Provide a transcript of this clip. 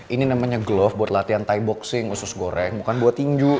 ini namanya glove buat latihan ty boxing khusus goreng bukan buat tinju